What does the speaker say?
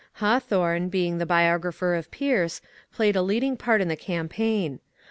Hawthorne, being the bio grapher of Pierce, played a leading part in the campaign.